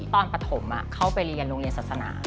ตอนประถมเข้าไปเรียนรุงเรียนศาสนา